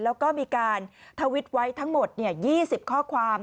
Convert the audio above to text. แล้วก็มีการทวิตไว้ทั้งหมด๒๐ข้อความ